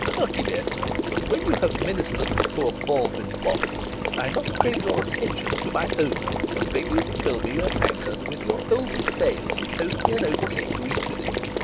Harkee, Bess, when you have ministered to poor Baldwyn's wants, I must crave your attention to my own, and beg you to fill me a tankard with your oldest ale, and toast me an oatcake to eat with it.